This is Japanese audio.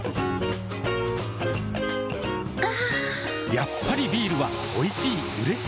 やっぱりビールはおいしい、うれしい。